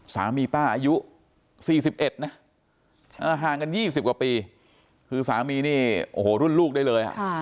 สามีป้าอายุ๔๑นะห่างกัน๒๐กว่าปีคือสามีนี่โอ้โหรุ่นลูกได้เลย